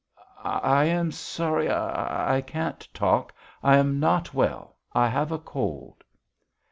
I am sorry, I ... I can't talk. I am not well. I have a cold."